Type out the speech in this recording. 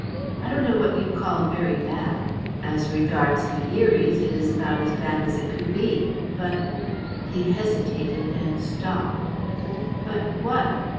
"I don't know what you call very bad; as regards the Eries it is about as bad as it could be. But " He hesitated and stopped. "But what?"